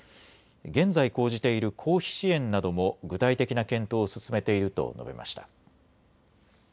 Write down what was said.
現在、講じている公費支援なども具体的な検討を進めていると述べました。